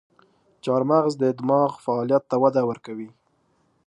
چارمغز د دماغ فعالیت ته وده ورکوي.